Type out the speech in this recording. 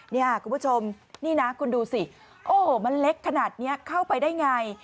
นี่คุณผู้ชมนี่นะคุณดูสิโอ้โหมันเล็กขนาดนี้เข้าไปได้ไง